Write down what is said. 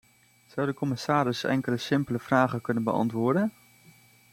Zou de commissaris enkele simpele vragen kunnen beantwoorden?